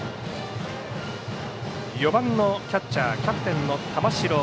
４番のキャッチャーキャプテンの玉城。